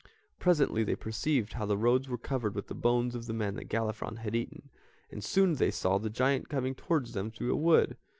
Presently they perceived how the roads were covered with the bones of the men that Galifron had eaten, and soon they saw the giant coming towards them through a wood.